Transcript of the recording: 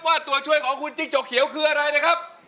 ตัวช่วยของคุณจิ้งจกเขียวคืออะไรนะครับ